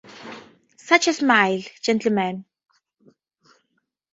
Such a smile, gentlemen!